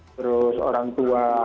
terus orang tua